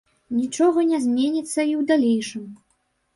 Нічога не зменіцца і ў далейшым.